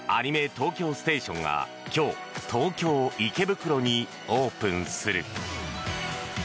東京ステーションが今日東京・池袋にオープンする。